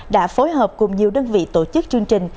đã phối hợp cùng nhiều đơn vị tổ chức chương trình